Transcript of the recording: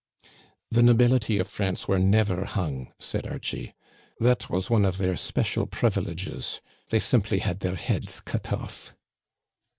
"The nobility of France were never hung," said Archie. "That was one of their special privileges. They simply had their heads cut off."